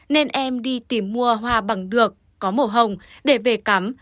nên em đi tìm mua hoa bằng được có màu hồng để về cắm